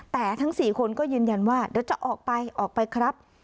แต่ทั้ง๔คนก็ยืนยันว่าเดี๋ยวจะออกไปออกไปครับ